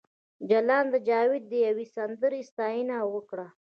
جلان د جاوید د یوې سندرې ستاینه وکړه